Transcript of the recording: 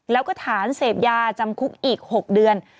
แล้วก็ฐานเสพยาจำคุกอีก๖เดือน